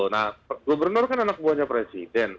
nah gubernur kan anak buahnya presiden